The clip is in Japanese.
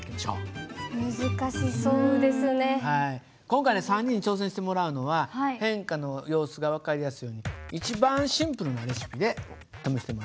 今回ね３人に挑戦してもらうのは変化の様子が分かりやすいように一番シンプルなレシピで試してもらいます。